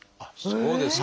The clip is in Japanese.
そうですか！